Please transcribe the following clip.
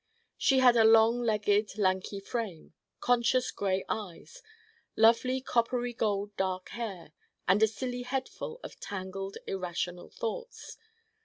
She had a long legged lanky frame, conscious gray eyes, lovely coppery gold dark hair and a silly headful of tangled irrational thoughts.